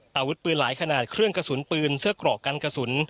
อาวุธปืนหลายขนาดเครื่องกระสุนปืนเสื้อกรอกกันกระสุน